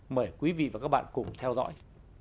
mời quý vị và các bạn cùng theo dõi